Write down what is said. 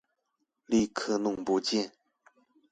立刻弄不見